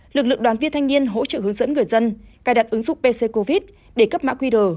lực lượng đoàn viên thanh niên hỗ trợ hướng dẫn người dân cài đặt ứng dụng pc covid để cấp mã qr